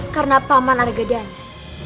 karena paman anggadanya